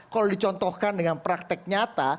kalau dicontohkan dengan praktek nyata